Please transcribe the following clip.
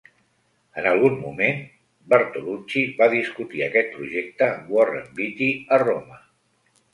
En algun moment Bertolucci va discutir aquest projecte amb Warren Beatty a Roma.